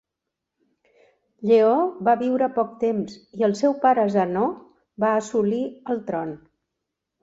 Lleó va viure poc temps i el seu pare Zenó va assolir el tron.